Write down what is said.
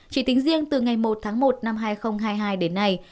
chỉ tính riêng từ ngày một tháng một năm hai nghìn hai mươi hai đến nay